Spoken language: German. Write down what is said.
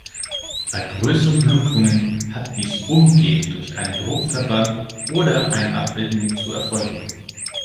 Bei größeren Blutungen hat dies umgehend durch einen Druckverband oder ein Abbinden zu erfolgen.